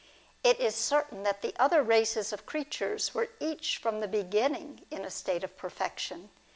It is certain that the other races of creatures were each from the very beginning in a state of perfection.